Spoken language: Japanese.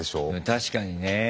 確かにねえ。